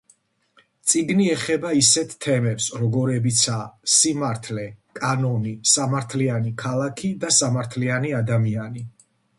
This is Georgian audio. წიგნი ეხება ისეთ თემებს, როგორებიცაა სიმართლე, კანონი, სამართლიანი ქალაქი და სამართლიანი ადამიანი.